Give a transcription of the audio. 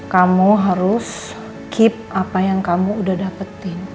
kamu harus keep apa yang kamu udah dapetin